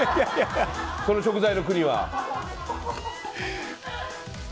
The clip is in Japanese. この食材の国は。